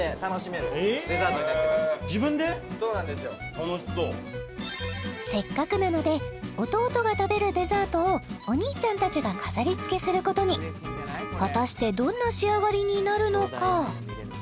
楽しそうせっかくなので弟が食べるデザートをお兄ちゃんたちが飾りつけすることに果たしてどんな仕上がりになるのか？